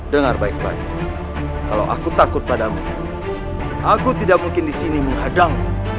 dengar baik baik kalau aku takut padamu aku tidak mungkin disini menghadangmu